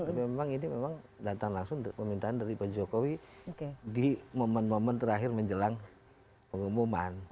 tapi memang ini memang datang langsung pemerintahan dari pak jokowi di momen momen terakhir menjelang pengumuman